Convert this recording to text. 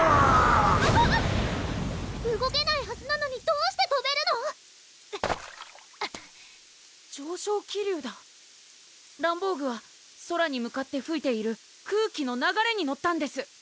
あぁ動けないはずなのにどうしてとべるの⁉上昇気流だランボーグは空に向かってふいている空気の流れに乗ったんです